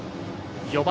４番。